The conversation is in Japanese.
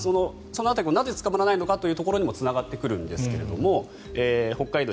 その辺り、なぜ捕まらないのかというところにもつながるんですが北海道